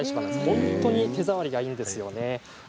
本当に手触りがいいですね。